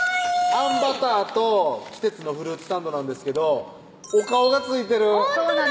「あんバター」と「季節のフルーツサンド」なんですけどお顔が付いてるほんとだ！